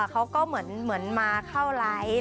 เขาก็เหมือนมาเข้าไลฟ์